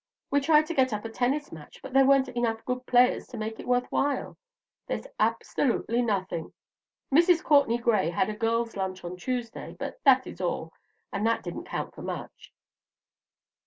We tried to get up a tennis match, but there weren't enough good players to make it worth while. There's absolutely nothing. Mrs. Courtenay Gray had a girls' lunch on Tuesday; but that is all, and that didn't count for much."